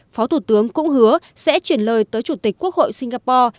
phó thủ tướng cũng hứa sẽ chuyển lời tới chủ tịch quốc hội singapore